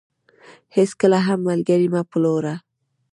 هيچ کله هم ملګري مه پلوره .